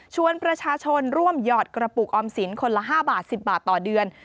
ชวนประชาชนร่วมหยอดกระปุกออมสินคนละ๕บาท๑๐บาทต่อเดือน